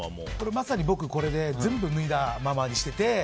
まさに僕これで全部脱いだままにしていて。